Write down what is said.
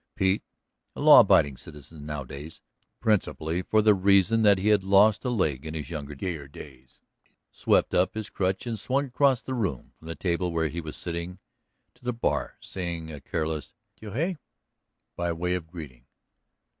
Pete, a law abiding citizen nowadays, principally for the reason that he had lost a leg in his younger, gayer days, swept up his crutch and swung across the room from the table where he was sitting to the bar, saying a careless "Que hay?" by way of greeting.